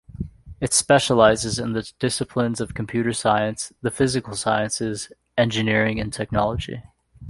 It specialises in the disciplines of computer science, the physical sciences, engineering and technology.